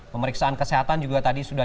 pemeriksaan kesehatan juga tadi sudah